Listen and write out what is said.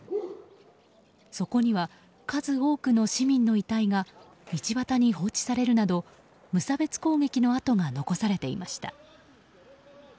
そこには、数多くの市民の遺体が道端に放置されるなど無差別攻撃の跡が残されていました。